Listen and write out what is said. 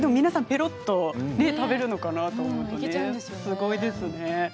ぺろっと食べるのかな？と思うとすごいですね。